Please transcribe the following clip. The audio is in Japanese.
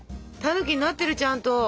たぬきになってるちゃんと。